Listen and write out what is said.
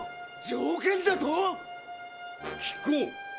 「条件」だと⁉聞こう。